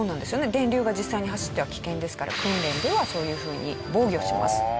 電流が実際に走っては危険ですから訓練ではそういうふうに防御します。